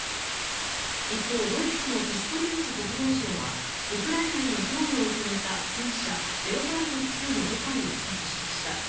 一方ドイツのピストリウス国防相はウクライナへの供与を決めた戦車レオパルト２の部隊を視察しました。